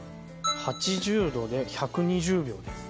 ８０度で１２０秒です